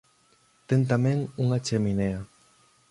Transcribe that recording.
Ten tamén unha cheminea.